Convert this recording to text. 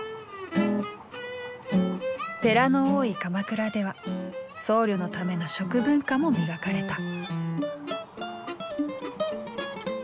寺の多い鎌倉では僧侶のための食文化も磨かれた。